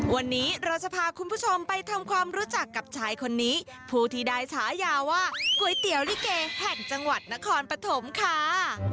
วันนี้เราจะพาคุณผู้ชมไปทำความรู้จักกับชายคนนี้ผู้ที่ได้ฉายาว่าก๋วยเตี๋ยวลิเกแห่งจังหวัดนครปฐมค่ะ